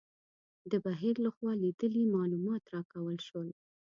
د بهیر لخوا لیدلي معلومات راکول شول.